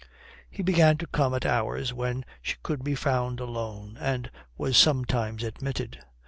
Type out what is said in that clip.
He began to come at hours when she could be found alone and was sometimes admitted.